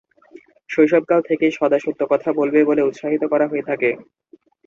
শৈশবকাল থেকেই ‘সদা সত্য কথা বলবে’ বলে উৎসাহিত করা হয়ে থাকে।